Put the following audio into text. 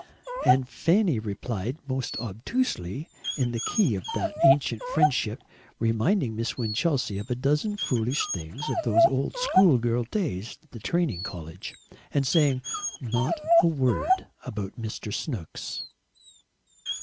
And Fanny replied most obtusely in the key of that "ancient friendship," reminding Miss Winchelsea of a dozen foolish things of those old schoolgirl days at the training college, and saying not a word about Mr. Snooks!